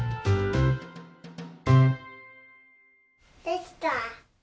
できた！